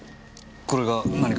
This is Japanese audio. これが何か？